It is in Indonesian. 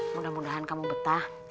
mudah mudahan kamu betah